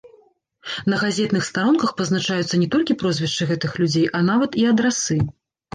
На газетных старонках пазначаюцца не толькі прозвішчы гэтых людзей, а нават і адрасы.